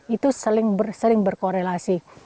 itu sering berkorelasi